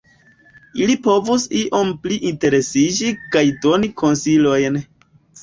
Ili povus iom pli interesiĝi kaj doni konsilojn.